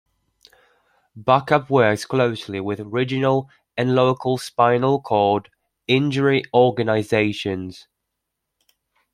Back Up works closely with regional and local spinal cord injury organisations.